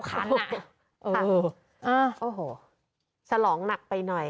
โอ้โหสลองหนักไปหน่อย